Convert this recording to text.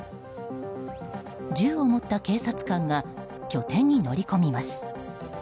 銃を持った警察官が拠点に乗り込みます。